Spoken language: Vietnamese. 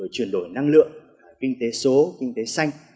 chuyển đổi năng lượng kinh tế số kinh tế xanh